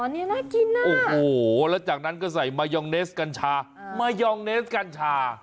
นี่น่ากินนะแล้วจากนั้นก็ใส่มายองเนสกัญชา